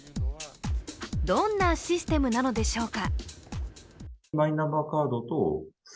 どんなシステムなのでしょうか。